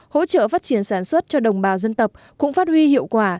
hỗ trợ phát triển sản xuất cho đồng bào dân tộc cũng phát huy hiệu quả